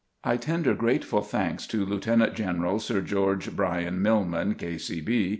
I tender grateful thanks to Lieutenant General Sir George Bryan Milman, K.C.